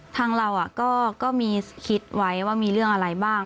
ทางเราก็มีคิดไว้ว่ามีเรื่องอะไรบ้าง